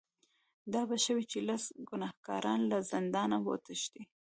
دا به ښه وي چې لس ګناهکاران له زندانه وتښتي.